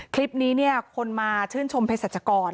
คลิปนี้คนมาชื่นชมเพศัตริย์ชะกร